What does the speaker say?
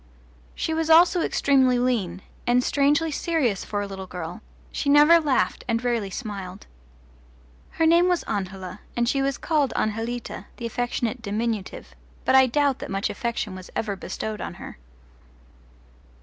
She was also extremely lean, and strangely serious for a little girl: she never laughed and rarely smiled. Her name was Angela, and she was called Anjelita, the affectionate diminutive, but I doubt that much affection was ever bestowed on her.